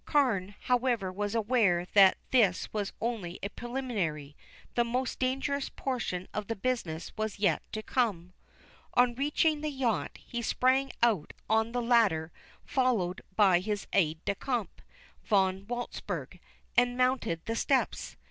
Carne, however, was aware that this was only a preliminary; the most dangerous portion of the business was yet to come. On reaching the yacht, he sprang out on the ladder, followed by his aide de camp, Von Walzburg, and mounted the steps.